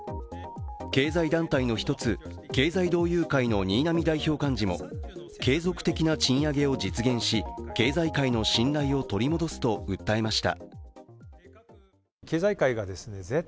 経済団体の一つ、経済同友会の新浪代表幹事も継続的な賃上げを実現し、経済界の信頼を取り戻すと訴えました。